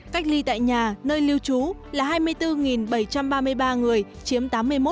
cách ly tại nhà nơi lưu trú là hai mươi bốn bảy trăm ba mươi ba người chiếm tám mươi một